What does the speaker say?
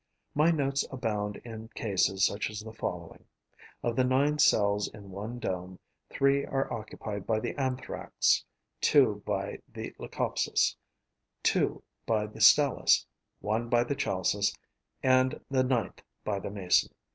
My notes abound in cases such as the following: of the nine cells in one dome, three are occupied by the Anthrax, two by the Leucopsis, two by the Stelis, one by the Chalcis and the ninth by the Mason.